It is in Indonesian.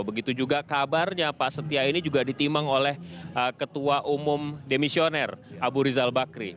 begitu juga kabarnya pak setia ini juga ditimang oleh ketua umum demisioner abu rizal bakri